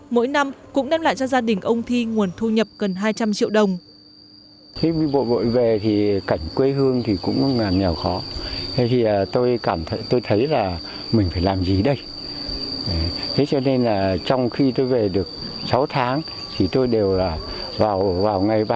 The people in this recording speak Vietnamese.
mỗi năm cũng đem lại cho gia đình ông thi nguồn thu nhập gần hai trăm linh triệu đồng